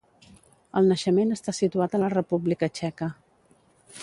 El naixement està situat a la República Txeca.